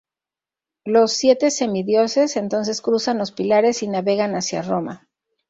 Los siete semidioses entonces cruzan los pilares y navegan hacia Roma.